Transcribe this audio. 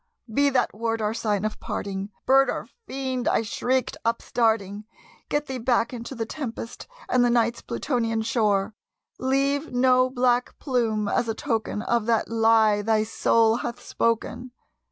"Be that word our sign of parting, bird or fiend!" I shrieked, upstarting "Get thee back into the tempest and the Night's Plutonian shore! Leave no black plume as a token of that lie thy soul hath spoken!